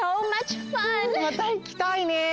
またいきたいねえ。